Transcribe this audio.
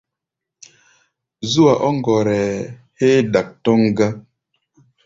Zú-a ɔ́ ŋgɔrɛɛ héé dak tɔ́ŋ gá.